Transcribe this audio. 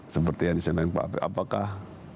seperti yang disampaikan pak abe apakah